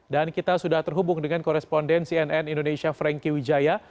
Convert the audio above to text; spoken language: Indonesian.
kita sudah terhubung dengan koresponden cnn indonesia franky wijaya